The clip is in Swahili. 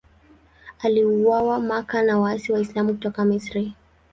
Aliuawa Makka na waasi Waislamu kutoka Misri.